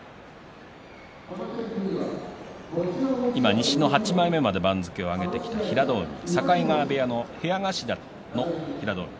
西の８枚目まで番付を上げている平戸海境川部屋の部屋頭の平戸海。